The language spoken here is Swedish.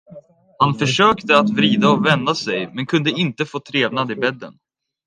Han försökte att vrida och vända sig men kunde inte få trevnad i bädden.